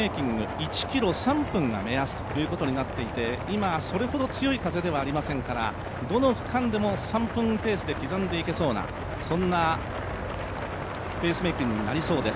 １ｋｍ３分が目安になっていて今、それほど強い風ではありませんからどの区間でも３分ペースで刻んでいけそうなペースメーキングになりそうです。